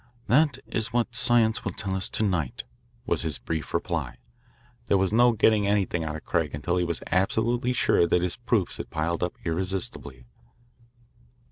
"That is what science will tell us to night," was his brief reply. There was no getting anything out of Craig until he was absolutely sure that his proofs had piled up irresistibly.